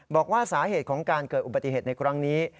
บอกว่าสาเหตุของการเกิดอุบัติเหตุในครั้งนี้